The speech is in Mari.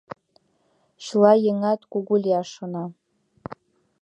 — Чыла еҥат кугу лияш шона.